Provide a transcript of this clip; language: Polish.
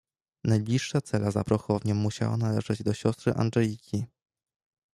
"Najbliższa cela za prochownią musiała należeć do siostry Angeliki."